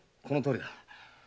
このとおりだ。